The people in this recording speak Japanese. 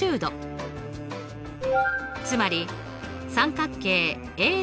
つまり三角形Ａ